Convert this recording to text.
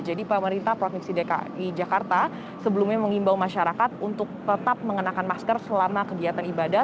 jadi pemerintah provinsi dki jakarta sebelumnya mengimbau masyarakat untuk tetap mengenakan masker selama kegiatan ibadah